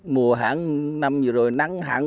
mùa hẳn năm vừa rồi nắng hẳn